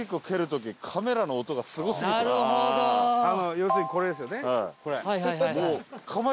要するにこれですよねこれ。